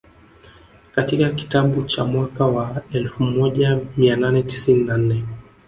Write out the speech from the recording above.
Katika kitabu cha mwaka wa elfu moja mia nane tisini na nne